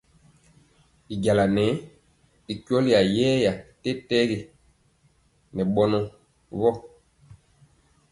Y jaŋa nɛɛ akweli yeeya tɛtɛgi ŋɛ bɔnɔ wɔ bn.